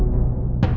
ajar yang rajin ya